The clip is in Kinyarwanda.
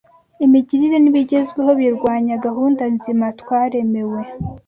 Imigirire n’ibigezweho birwanya gahunda nzima twaremewe.